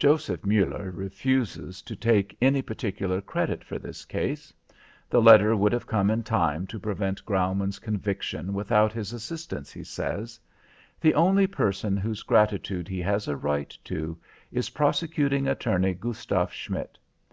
Joseph Muller refuses to take any particular credit for this case. The letter would have come in time to prevent Graumann's conviction without his assistance, he says. The only person whose gratitude he has a right to is Prosecuting Attorney Gustav Schmidt.